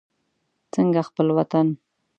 څنګه خپل وطن.